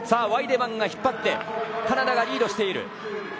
ワイデマンが引っ張ってカナダがリードしている。